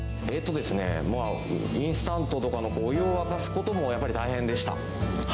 インスタントとかのお湯を沸かすこともやっぱり大変でした。